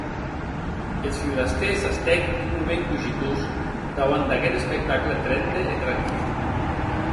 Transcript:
Eth forastèr s’estèc un moment cogitós dauant d’aqueth espectacle trende e tranquil.